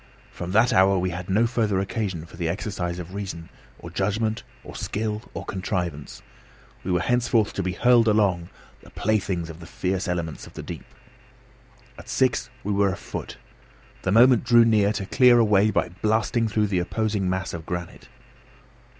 From that hour we had no further occasion for the exercise of reason, or judgment, or skill, or contrivance. We were henceforth to be hurled along, the playthings of the fierce elements of the deep. At six we were afoot. The moment drew near to clear a way by blasting through the opposing mass of granite.